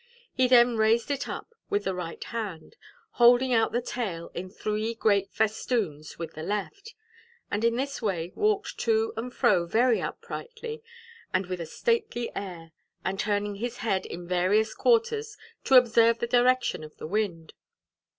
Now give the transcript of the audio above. He then raised it up with the right hand, holding out the tail in three great festoons with the left, and in this way walked to and fro very uprightly and with a stately air, and turning his head in various quarters, to observe the direction of the wind.